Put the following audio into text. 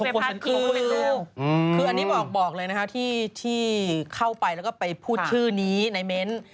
คืออันนี้บอกเลยนะคะที่เข้าไปแล้วก็ไปพูดชื่อนี้ในเม้นต์